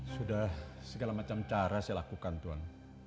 sudah segala macam cara saya lakukan tuhan